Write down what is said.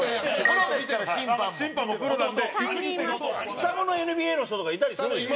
双子のＮＢＡの人とかいたりするでしょ？